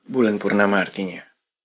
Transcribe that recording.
bulan purnama artinya